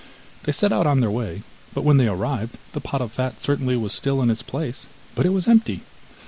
They set out on their way, but when they arrived, the pot of fat certainly was still in its place, but it was empty.